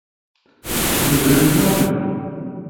Hûn bilind nabin.